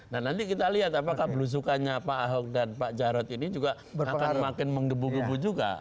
nah nanti kita lihat apakah belusukannya pak ahok dan pak jarod ini juga akan makin menggebu gebu juga